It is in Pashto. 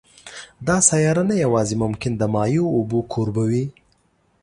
دا سیاره نه یوازې ممکن د مایع اوبو کوربه وي